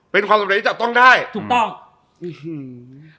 เป็นความสำเร็จที่จับต้องได้